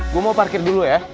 gue mau parkir dulu ya